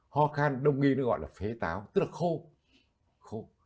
ho can đồng nghi nó gọi là phế táo tức là khô